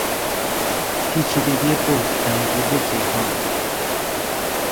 پیچیدگی بهت انگیز کیهان